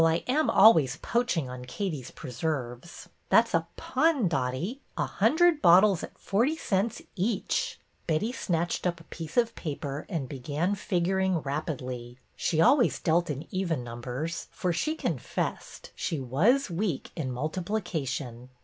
Well, I am always poaching on Katie's preserves ! That 's a pun. Dotty. A hundred bottles at forty cents each 1 " PICKLES 69 Betty snatched up a piece of paper and be gan figuring rapidly. She always dealt in even numbers, for she confessed she was weak in multiplication.